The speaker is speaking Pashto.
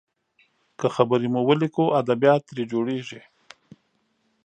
که خبرې مو وليکو، ادبيات ترې جوړیږي.